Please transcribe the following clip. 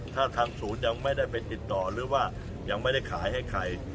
ถ้าทางศูนย์ยังไม่ได้ไปติดต่อหรือว่ายังไม่ได้ขายให้ใคร